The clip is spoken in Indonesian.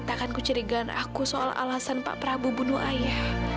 sampai jumpa di video selanjutnya